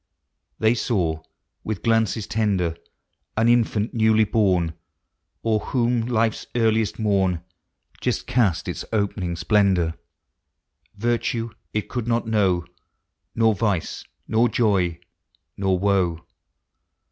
They saw, with glanees tender, An infant newly born. O'er whom life's earliest morn Just east its opening splendor; Virtue it could not know. Nor vice, nor joy, nor woe.